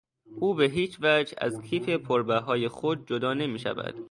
او به هیچ وجه از کیف پر بهای خود جدا نمیشود.